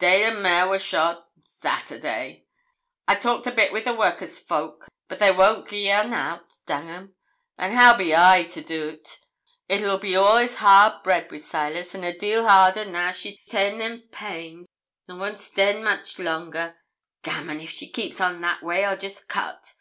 'Day the mare wor shod Saturday. I talked a bit wi' the workus folk, but they won't gi'e nout dang 'em an' how be I to do't? It be all'ays hard bread wi' Silas, an' a deal harder now she' ta'en them pains. I won't stan' it much longer. Gammon! If she keeps on that way I'll just cut.